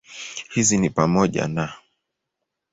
Hizi ni pamoja na